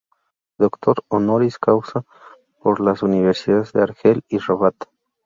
Doctor "honoris causa" por las universidades de Argel y Rabat.